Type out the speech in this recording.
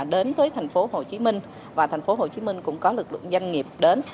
đến với thành phố hồ chí minh và thành phố hồ chí minh cũng có lực lượng doanh nghiệp đến